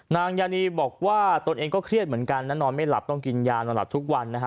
นางยานีบอกว่าตนเองก็เครียดเหมือนกันนะนอนไม่หลับต้องกินยานอนหลับทุกวันนะฮะ